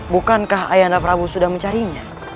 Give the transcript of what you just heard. bukankah ayanda prabowo sudah mencarinya